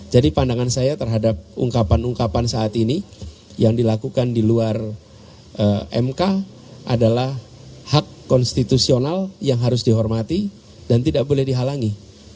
jadi pandangan saya terhadap ungkapan ungkapan saat ini yang dilakukan di luar mk adalah hak konstitusional yang harus dihormati dan tidak boleh dihalangi